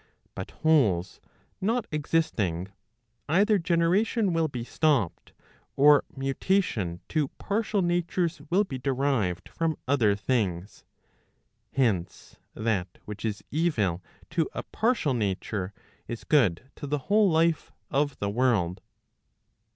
But wholes not existing, either generation will be stopped, or mutation to partial natures will be derived from other things. Hence that which is evil to a partial nature is good to the whole life of the world.